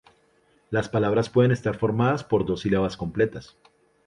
Las palabras pueden estar formadas por dos sílabas completas.